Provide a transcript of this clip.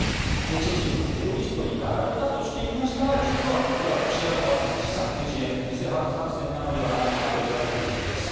チェチェンのテロリストにやられたとしていましたが実はこれはロシア側の自作自演偽旗作戦なのではないかといわれているようです。